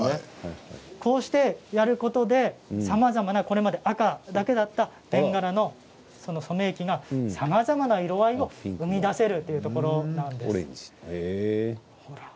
こうしてやることで、さまざまなこれまで赤だけだったベンガラの染液がさまざまな色合いを生み出せるということです。